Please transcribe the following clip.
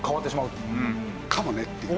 かもねっていう。